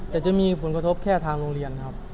แต่จะมีผลกระทบแค่ทางโรงเรียนครับ